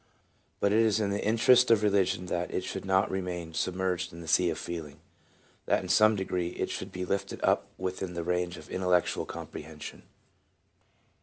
But it is in the interest of religion that it should not remain submerged in the sea of feeling, that in some degree it should be lifted up within the range of intellectual comprehension.